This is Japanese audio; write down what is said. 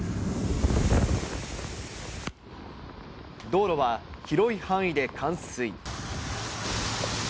道路は広い範囲で冠水。